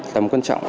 tầm quan trọng